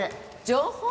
情報？